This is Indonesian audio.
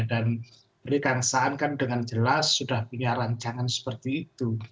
dan berikan saan kan dengan jelas sudah punya rancangan seperti itu